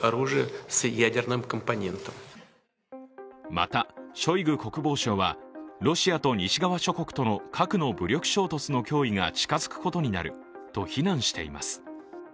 また、ショイグ国防相はロシアと西側諸国との核の武力衝突の脅威が近づくことになると非難しています。